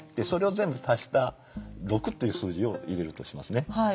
それを全部足した６という数字を入れるとしますね。